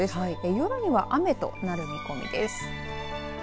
夜には雨となる見込みです。